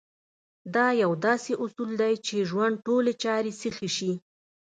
دا يو داسې اصول دی چې ژوند ټولې چارې سيخې شي.